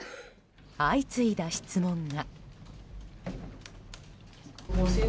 相次いだ質問が。